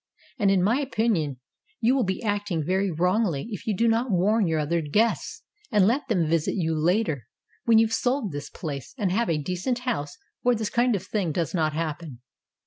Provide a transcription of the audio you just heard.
And in my opinion you will be acting very wrongly if you do not warn your other guests and let them visit you later, when you've sold this place and have a decent house where this kind of thing does not happen."